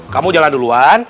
kamu jalan duluan